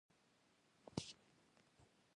آیا ازادي نعمت دی؟